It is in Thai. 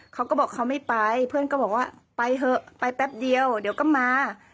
เขาก็บอกเขาไม่ไปเพื่อนก็บอกว่าไปเถอะไปแป๊บเดียวเดี๋ยวก็มา